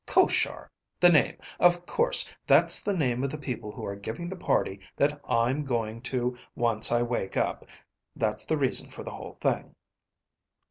Koshar! The name! Of course. That's the name of the people who are giving the party that I'm going to once I wake up. That's the reason for the whole thing."